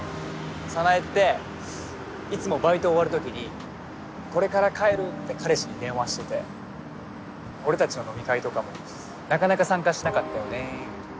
早苗っていつもバイト終わる時に「これから帰る」って彼氏に電話してて俺たちの飲み会とかもなかなか参加しなかったよね